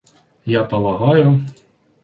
Я полагаю...